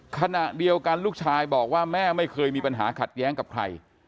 ขณะเดียวกันลูกชายบอกว่าแม่ไม่เคยมีปัญหาขัดแย้งกับใคร